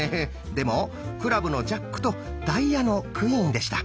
でもクラブのジャックとダイヤのクイーンでした。